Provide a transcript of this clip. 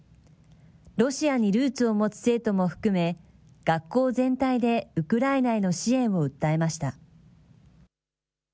ロシアにルーツを持つ生徒も含め学校全体でウクライナへの支援を訴えました。